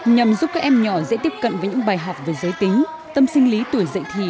nhằm giúp các em nhỏ dễ tiếp cận với những bài học về giới tính tâm sinh lý tuổi dạy thì